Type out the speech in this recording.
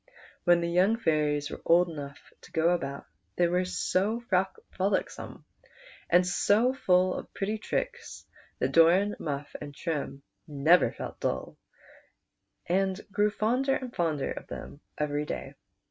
Wlien the young fairies were old enough to go about they were so frolicsome and so full of pretty tricks that Doran, Muff, and Trim never felt dull, and grew fonder and fonder of them every day.